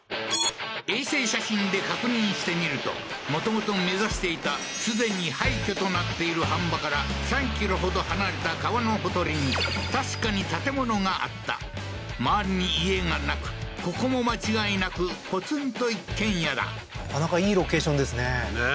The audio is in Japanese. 衛星写真で確認してみるともともと目指していたすでに廃墟となっている飯場から３ｋｍほど離れた川のほとりに確かに建物があった周りに家がなくここも間違いなくポツンと一軒家だなかなかいいロケーションですねねえ